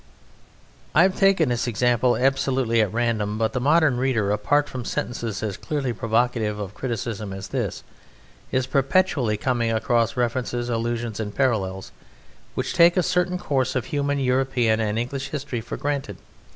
I have taken this example absolutely at random. But the modern reader, apart from sentences as clearly provocative of criticism as this, is perpetually coming across references, allusions, and parallels which take a certain course of human European and English history for granted.